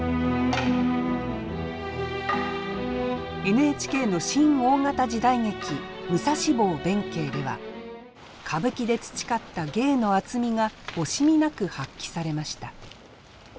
ＮＨＫの新大型時代劇「武蔵坊弁慶」では歌舞伎で培った芸の厚みが惜しみなく発揮されました。